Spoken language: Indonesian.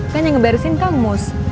kan yang ngeberesin kang mus